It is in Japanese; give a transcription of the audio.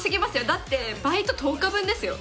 だってバイト１０日分ですよ